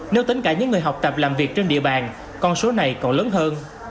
nếu tính cả những người học tập làm việc trên địa bàn con số này còn lớn hơn